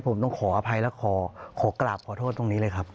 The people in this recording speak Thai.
ผมต้องขออภัยและขอกราบขอโทษตรงนี้เลยครับ